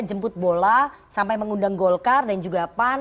jemput bola sampai mengundang golkar dan juga pan